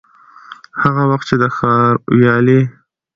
هغه وخت چي د ښار ويالې،